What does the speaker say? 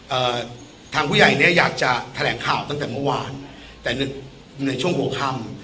เอ่อทางผู้ใหญ่เนี้ยอยากจะแถลงข่าวตั้งแต่เมื่อวานแต่ในในช่วงหัวค่ำ